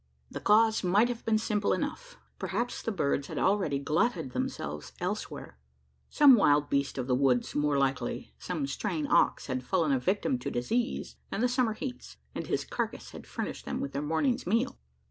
The cause might have been simple enough: perhaps the birds had already glutted themselves elsewhere? Some wild beast of the woods more likely, some straying ox had fallen a victim to disease and the summer heats; and his carcase had furnished them with their morning's meal?